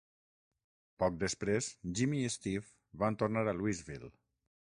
Poc després, Jimmy i Steve van tornar a Louisville.